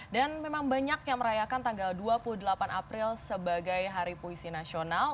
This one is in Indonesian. dan memang banyak yang merayakan tanggal dua puluh delapan april sebagai hari puisi nasional